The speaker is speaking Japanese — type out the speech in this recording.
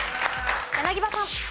柳葉さん。